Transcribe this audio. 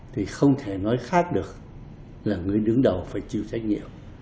thì không thể nói khác được là người đứng đầu phải chịu trách nhiệm